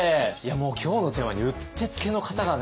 もう今日のテーマにうってつけの方がね。